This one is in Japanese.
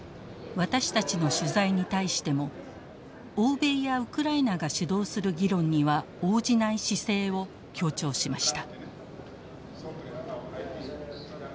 私たちの取材に対しても欧米やウクライナが主導する議論には応じない姿勢を強調しました。